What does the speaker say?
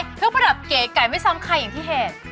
เครื่องประดับเก๋ไก่ไม่ซ้ำใครอย่างที่เห็น